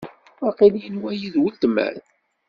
Waqil yenwa-yi d uletma.